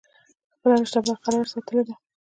خپله رشته برقرار ساتلي ده ۔